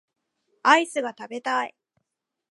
アイスが食べたい